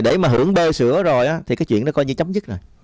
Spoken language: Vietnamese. để mà hưởng bơ sữa rồi á thì cái chuyện đó coi như chấm dứt rồi